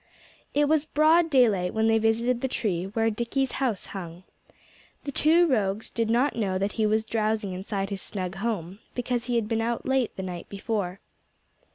It was broad daylight when they visited the tree where Dickie's house hung. The two rogues did not know that he was drowsing inside his snug home, because he had been out late the night before.